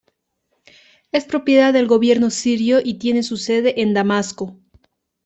Es propiedad del Gobierno sirio y tiene su sede en Damasco.